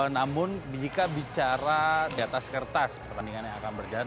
namun jika bicara di atas kertas pertandingan yang akan berjalan